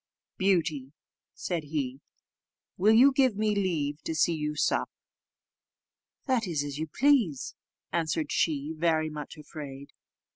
"Beauty," said he, "will you give me leave to see you sup?" "That is as you please," answered she, very much afraid.